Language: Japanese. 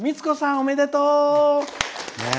おめでとう！